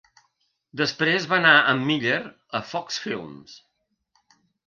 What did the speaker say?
Després va anar amb Miller a Fox Films.